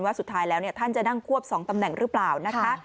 สุดท้ายแล้วท่านจะนั่งควบ๒ตำแหน่งหรือเปล่านะคะ